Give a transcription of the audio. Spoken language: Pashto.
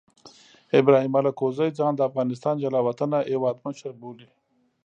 ابراهیم الکوزي ځان د افغانستان جلا وطنه هیواد مشر بولي.